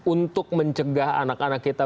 untuk mencegah anak anak kita